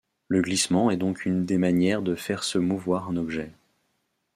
Le glissement est donc une des manières de faire se mouvoir un objet.